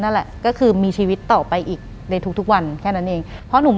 หลังจากนั้นเราไม่ได้คุยกันนะคะเดินเข้าบ้านอืม